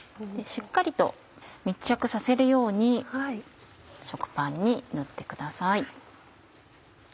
しっかりと密着させるように食パンに塗ってください。